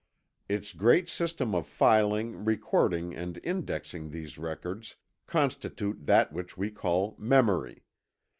Its great systems of filing, recording and indexing these records constitute that which we call memory.